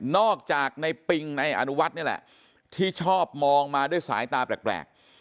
อกจากในปิงในอนุวัฒน์นี่แหละที่ชอบมองมาด้วยสายตาแปลก